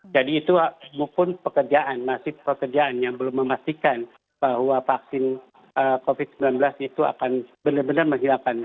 itu mungkin pekerjaan masih pekerjaan yang belum memastikan bahwa vaksin covid sembilan belas itu akan benar benar menghilangkan